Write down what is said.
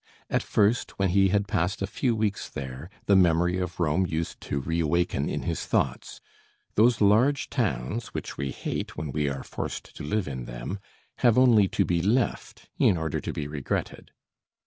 At first, when he had passed a few weeks there, the memory of Rome used to re awaken in his thoughts. Those large towns, which we hate when we are forced to live in them, have only to be left in order to be regretted!